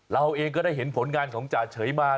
เราเองก็ได้เห็นผลงานของจ่าเฉยมา